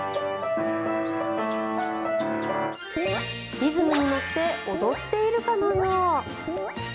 リズムに乗って踊っているかのよう。